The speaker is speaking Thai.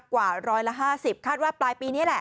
กว่าร้อยละห้าสิบคาดว่าปลายปีนี้แหละ